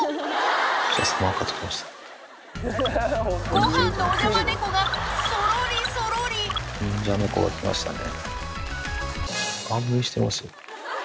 ごはんのお邪魔猫がそろりそろり忍者猫が来ましたね。